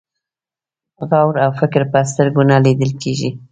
غور او فکر په سترګو نه لیدل کېږي.